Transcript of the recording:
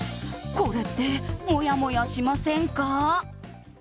これってもやもやしませんか？